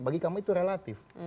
bagi kamu itu relatif